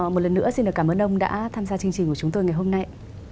một lần nữa xin cảm ơn ông đã tham gia chương trình của chúng tôi ngày hôm nay